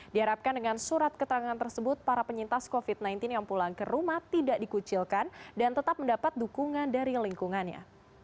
diharapkan dengan surat keterangan tersebut para penyintas covid sembilan belas yang pulang ke rumah tidak dikucilkan dan tetap mendapat dukungan dari lingkungannya